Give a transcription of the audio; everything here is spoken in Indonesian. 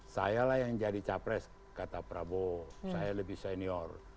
sayalah yang jadi capres kata prabowo saya lebih senior